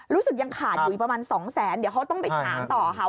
รู้สึกยังขาดอยู่ประมาณ๒๐๐๐๐๐บาทเดี๋ยวเขาต้องไปถามต่อ